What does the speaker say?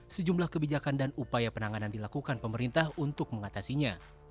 sejumlah kebijakan dan upaya penanganan dilakukan pemerintah untuk mengatasinya